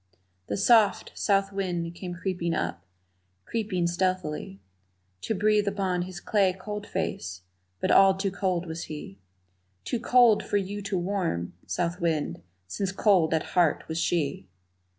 The soft, south wind came creeping up, creeping stealthily To breathe upon his clay cold face but all too cold was he, Too cold for you to warm, south wind, since cold at heart was she!